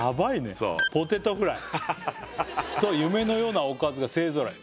そうポテトフライと夢のようなおかずが勢ぞろい